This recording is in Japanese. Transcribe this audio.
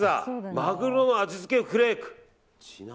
マグロの味付けフレーク。